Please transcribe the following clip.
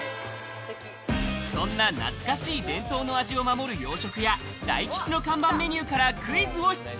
そんな懐かしい伝統の味を守る洋食屋・大吉の看板メニューからクイズを出題。